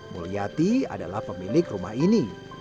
mulyati adalah pemilik rumah ini